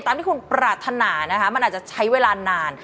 ตามที่คุณปรารถนานะคะมันอาจจะใช้เวลานาน